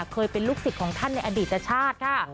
เคยเป็นลูกศิษย์ของท่านในอดีตชาติค่ะ